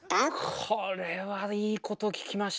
これはいいこと聞きました。